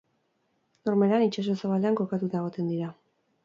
Normalean itsaso zabalean kokatuta egoten dira.